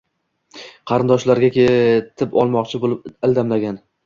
Qarindoshlariga yetib olmoqchi bo‘lib ildamlagan